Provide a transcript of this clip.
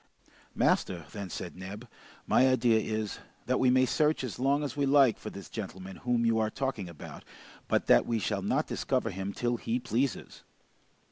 "Master," then said Neb, "my idea is, that we may search as long as we like for this gentleman whom you are talking about, but that we shall not discover him till he pleases."